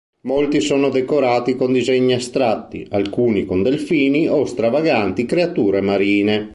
Molti sono decorati con disegni astratti, alcuni con delfini o stravaganti creature marine.